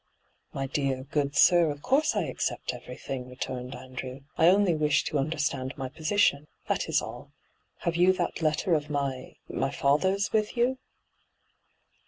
' My dear, good sir, of course I accept everything,' returned Andrew. ' I only wish to understand my position — that is all. Have you that letter of my — my father's with you?